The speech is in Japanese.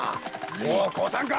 もうこうさんか？